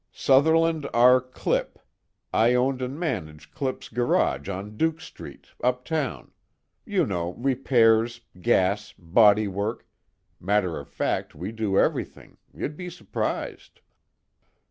"Sutherland R. Clipp. I own and manage Clipp's Garage on Duke Street, uptown you know, repairs, gas, body work, matter of fact we do everything, you'd be surprised."